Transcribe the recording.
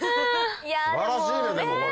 素晴らしいでもこれね。